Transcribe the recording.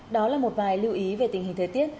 đó là một vài lưu ý về tình hình thời tiết